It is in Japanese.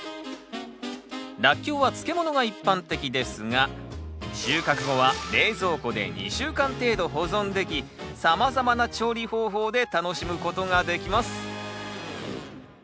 ラッキョウは漬物が一般的ですが収穫後は冷蔵庫で２週間程度保存できさまざまな調理方法で楽しむことができます